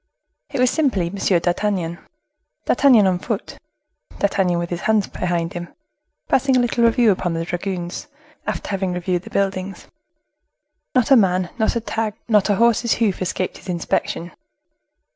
It was simply M. d'Artagnan; D'Artagnan on foot; D'Artagnan with his hands behind him, passing a little review upon the dragoons, after having reviewed the buildings. Not a man, not a tag, not a horse's hoof escaped his inspection.